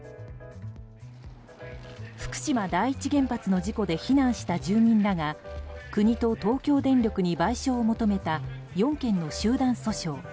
福島第一原発の事故で避難した住民らが国と東京電力に賠償を求めた４件の集団訴訟。